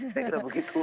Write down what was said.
saya kira begitu